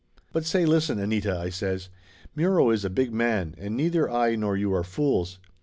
"But say, listen, Anita," I says. "Muro is a big man, and neither I nor you are fools.